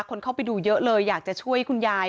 คนเข้าไปดูเยอะเลยอยากจะช่วยคุณยาย